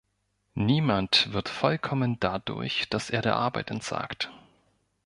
Niemand wird vollkommen dadurch, dass er der Arbeit entsagt.